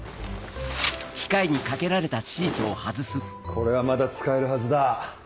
これはまだ使えるはずだ。